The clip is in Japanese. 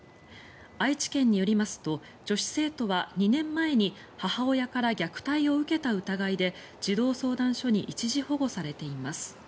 愛知県によりますと女子生徒は２年前に母親から虐待を受けた疑いで児童相談所に一時保護されています。